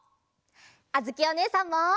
あづきおねえさんも！